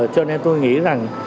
cho nên tôi nghĩ rằng